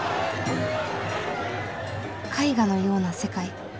絵画のような世界。